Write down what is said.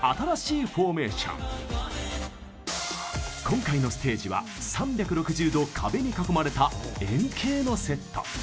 今回のステージは３６０度壁に囲まれた円形のセット。